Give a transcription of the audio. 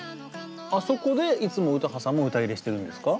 あそこでいつも詩羽さんも歌入れしてるんですか？